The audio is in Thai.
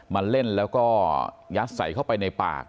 มาเล่นแล้วก็ยัดใส่เข้าไปในปาก